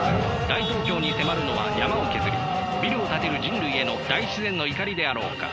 大東京に迫るのは山を削りビルを建てる人類への大自然の怒りであろうか。